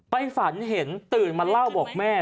ฝันเห็นตื่นมาเล่าบอกแม่